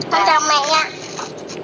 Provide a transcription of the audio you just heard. con chào mẹ nha